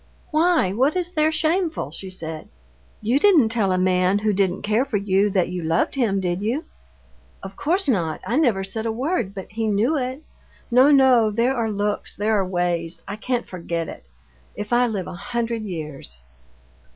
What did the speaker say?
"Why, what is there shameful?" she said. "You didn't tell a man, who didn't care for you, that you loved him, did you?" "Of course not; I never said a word, but he knew it. No, no, there are looks, there are ways; I can't forget it, if I live a hundred years."